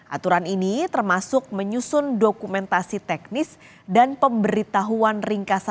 aturan ini termasuk menyusun dokumentasi teknis dan pemberitahuan ringkasan